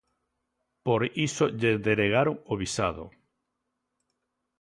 Por iso lle denegaron o visado.